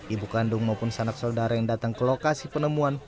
ibu kandung maupun sanak saudara yang datang ke lokasi penemuan